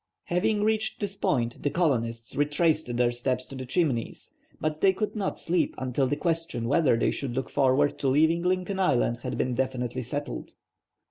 Having reached this point, the colonists retraced their steps to the Chimneys, but they could not sleep until the question whether they should look forwards to leaving Lincoln Island had been definitely settled.